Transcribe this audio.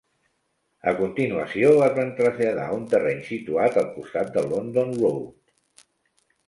A continuació, es van traslladar a un terreny situat al costat de London Road.